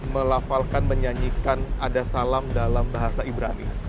melafalkan menyanyikan ada salam dalam bahasa ibrani